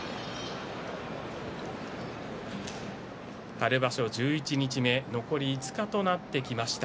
春場所十一日目残り５日となってきました。